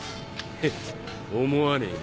ヘッ思わねえな。